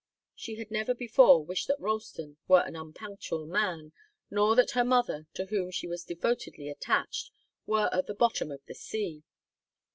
She had never before wished that Ralston were an unpunctual man, nor that her mother, to whom she was devotedly attached, were at the bottom of the sea.